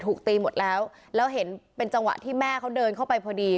ตีหมดแล้วแล้วเห็นเป็นจังหวะที่แม่เขาเดินเข้าไปพอดี